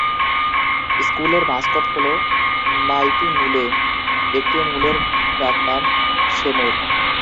স্কুলের মাসকট হল "mighty mule", একটি মুলের ডাক নাম "সেমুর"।